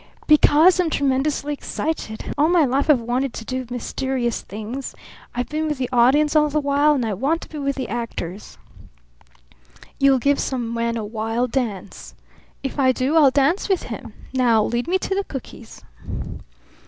"Because I'm tremendously excited. All my life I've wanted to do mysterious things. I've been with the audience all the while, and I want to be with the actors." "You'll give some man a wild dance." "If I do I'll dance with him. Now lead me to the cookies."